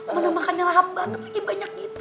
mana makan yang lahap banget lagi banyak gitu